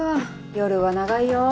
夜は長いよ。